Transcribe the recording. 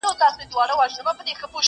• خو درد لا پاتې وي ډېر,